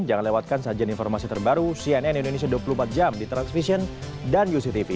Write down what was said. jangan lewatkan sajian informasi terbaru cnn indonesia dua puluh empat jam di transvision dan uctv